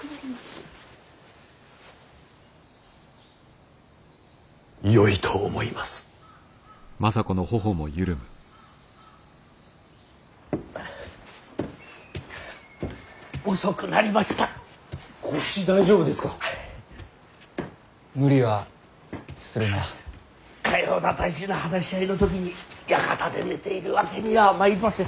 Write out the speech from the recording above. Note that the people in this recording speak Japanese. かような大事な話し合いの時に館で寝ているわけにはまいりません。